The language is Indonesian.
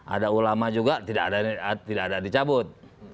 ada ulama juga tidak ada dicabut